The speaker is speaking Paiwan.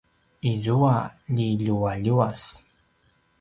izua ljilualuas